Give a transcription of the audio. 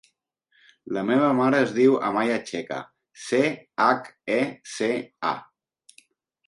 La meva mare es diu Amaya Checa: ce, hac, e, ce, a.